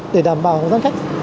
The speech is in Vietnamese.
để đảm bảo gian cách